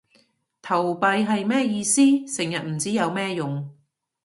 投幣係咩意思？成日唔知有咩用